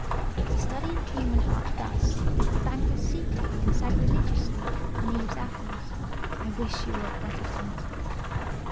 To study the human heart thus, is to banquet secretly and sacrilegiously on Eve's apples. I wish you were a Protestant."